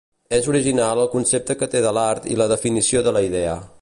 És original el concepte que té de l'art i la definició de la idea.